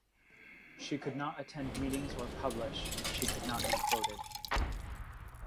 She could not attend meetings or publish, and she could not be quoted.